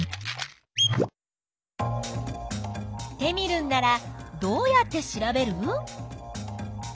テミルンならどうやって調べる？